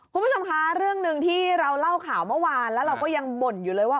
คุณผู้ชมคะเรื่องหนึ่งที่เราเล่าข่าวเมื่อวานแล้วเราก็ยังบ่นอยู่เลยว่า